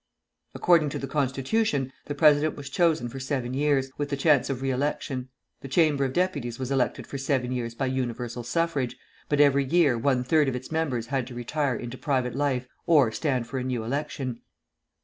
According to the constitution, the president was chosen for seven years, with the chance of re election; the Chamber of Deputies was elected for seven years by universal suffrage, but every year one third of its members had to retire into private life or stand for a new election.